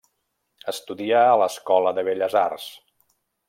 Estudià a l’Escola de Belles Arts.